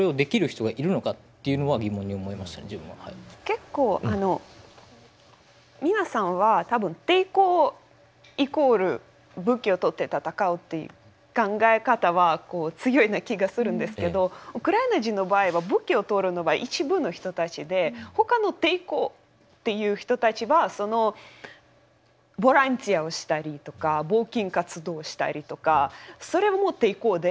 結構あの皆さんは多分抵抗イコール武器を取って戦うっていう考え方はこう強いような気がするんですけどウクライナ人の場合は武器を取るのは一部の人たちでほかの抵抗っていう人たちはそのボランティアをしたりとか募金活動をしたりとかそれも抵抗で。